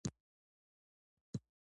هڅونه د حق په ورکولو پوره کېږي.